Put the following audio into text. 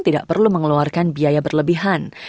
tidak perlu mengeluarkan biaya berlebihan